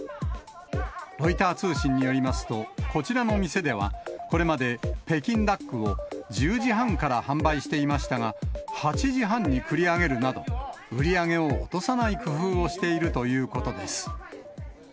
ロイター通信によりますと、こちらの店では、これまで北京ダックを１０時半から販売していましたが、８時半に繰り上げるなど、売り上げを落とさない工夫をしているということです。